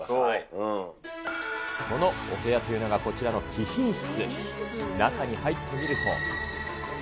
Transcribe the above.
そのお部屋というのが、こちらの貴賓室。